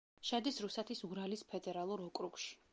შედის რუსეთის ურალის ფედერალურ ოკრუგში.